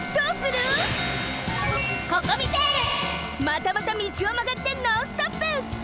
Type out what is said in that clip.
またまた道をまがってノンストップ！